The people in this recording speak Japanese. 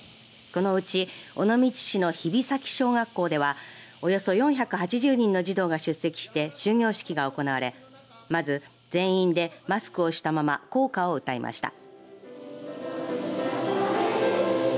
このうち尾道市の日比崎小学校ではおよそ４８０人の児童が出席して終業式が行われまず、全員でマスクをしたまま校歌を歌いました。